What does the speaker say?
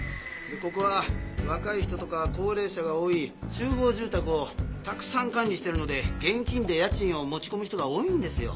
ここは若い人とか高齢者が多い集合住宅をたくさん管理してるので現金で家賃を持ち込む人が多いんですよ。